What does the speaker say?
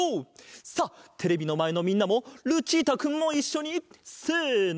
さあテレビのまえのみんなもルチータくんもいっしょにせの！